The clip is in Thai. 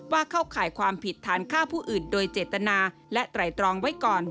เข้าข่ายความผิดฐานฆ่าผู้อื่นโดยเจตนาและไตรตรองไว้ก่อน